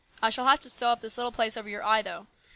I shall have to sew up this little place over your eye, though.